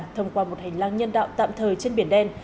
thông qua một hành lang nhân đạo tạm thời trên biển đen